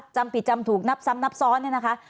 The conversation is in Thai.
จำผิดจำถูกนับซ้ำนับซ้อนเนี่ยนะคะ